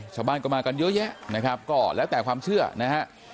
ชาวบ้านก็มากันเยอะแยะนะครับก็แล้วแต่ความเชื่อนะฮะ